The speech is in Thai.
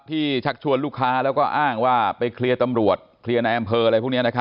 ที่ชักชวนลูกค้าแล้วก็อ้างว่าไปเคลียร์ตำรวจเคลียร์นแอมพล